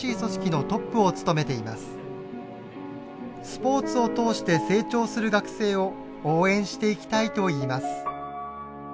スポーツを通して成長する学生を応援していきたいといいます。